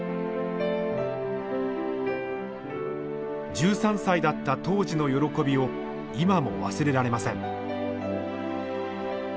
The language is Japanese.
１３歳だった当時の喜びを今も忘れられません。